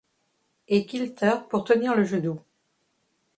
et Kilter, pour tenir le genou.